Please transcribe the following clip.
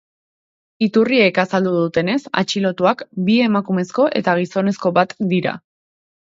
Iturriek azaldu dutenez, atxilotuak bi emakumezko eta gizonezko bat dira.